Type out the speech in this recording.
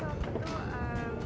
dia penjahit awalnya